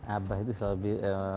abah itu selalu